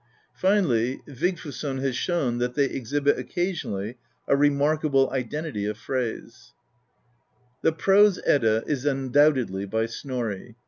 Finally, Vigfiisson has shown that they exhibit occasionally a remarkable identity of phrase/ The Prose Edda is undoubtedly by Snorri.